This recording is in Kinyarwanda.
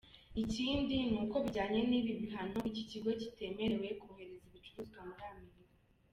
Ikindi ni uko, bijyanye n'ibi bihano, iki kigo kitemerewe kohereza ibicuruzwa muri Amerika.